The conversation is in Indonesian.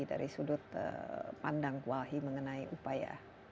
dari sudut pandang walhi mengenai upaya